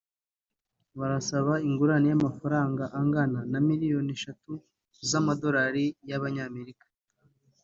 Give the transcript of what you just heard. barasaba ingurane y’amafaranga angana na miliyoni eshatu z’amadori y’abanyamerika